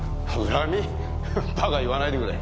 バカ言わないでくれ。